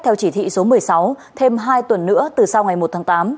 theo chỉ thị số một mươi sáu thêm hai tuần nữa từ sau ngày một tháng tám